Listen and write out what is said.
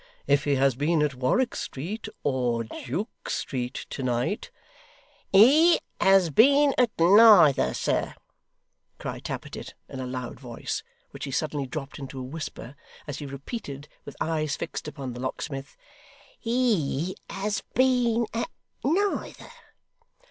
If he has been at Warwick Street or Duke Street to night ' 'He has been at neither, sir,' cried Mr Tappertit in a loud voice, which he suddenly dropped into a whisper as he repeated, with eyes fixed upon the locksmith, 'he has been at neither.